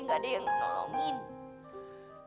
gak ada yang ngelongin